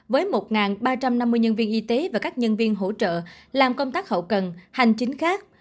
với một ba trăm năm mươi nhân viên y tế và các nhân viên hỗ trợ làm công tác hậu cần hành chính khác